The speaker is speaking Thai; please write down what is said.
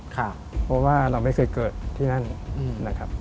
เพราะว่าเราไม่เคยเกิดที่นั่นนะครับ